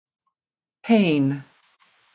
Pain.